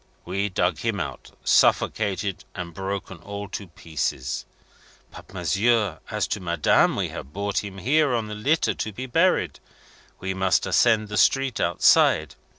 "We dug him out, suffocated and broken all to pieces! But, monsieur, as to Madame. We have brought him here on the litter, to be buried. We must ascend the street outside.